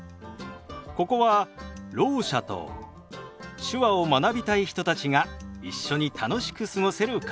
ここはろう者と手話を学びたい人たちが一緒に楽しく過ごせるカフェ。